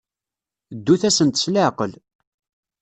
Ddut-asent s leɛqel.